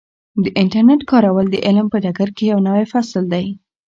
د انټرنیټ کارول د علم په ډګر کې یو نوی فصل دی.